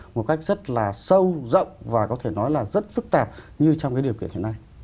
một cách rất là sâu rộng và có thể nói là rất phức tạp như trong cái điều kiện hiện nay